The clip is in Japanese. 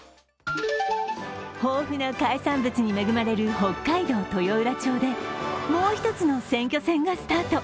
豊富な海産物に恵まれる北海道豊浦町でもう一つの選挙戦がスタート。